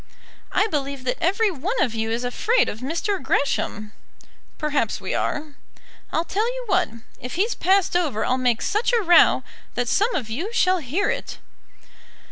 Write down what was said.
"I believe that every one of you is afraid of Mr. Gresham." "Perhaps we are." "I'll tell you what. If he's passed over I'll make such a row that some of you shall hear it."